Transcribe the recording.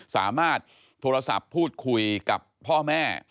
สามารถโทรศัพท์พูดคุยกับพ่อแม่